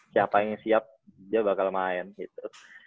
siapa yang siap dia bakal main gitu